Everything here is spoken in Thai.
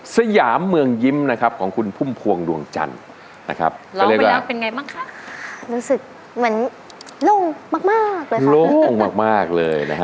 สยามใจอุ่นยังยิ้มเสมอ